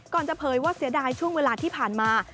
จะเผยว่าเสียดายช่วงเวลาที่ผ่านมา